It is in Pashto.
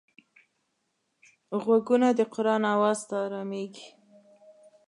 غوږونه د قرآن آواز ته ارامېږي